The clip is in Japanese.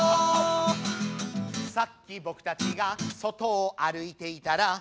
「さっき僕たちが外を歩いていたら」